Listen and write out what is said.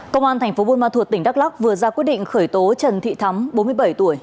công an thành phố buôn ma thuột tỉnh đắk lắc vừa ra quyết định khởi tố trần thị thắm bốn mươi bảy tuổi